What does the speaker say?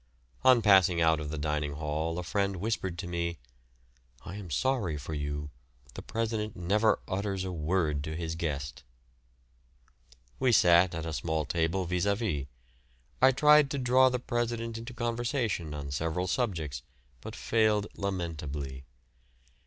On passing out of the dining hall a friend whispered to me, "I am sorry for you; the president never utters a word to his guest." We sat at a small table vis à vis. I tried to draw the president into conversation on several subjects, but failed lamentably.